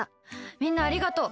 みんなありがとう！